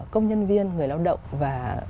công nhân viên người lao động và